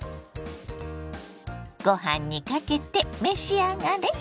ご飯にかけて召し上がれ。